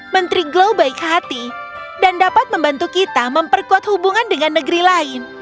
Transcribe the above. menteri glow baik hati dan dapat membantu kita memperkuat hubungan dengan negeri lain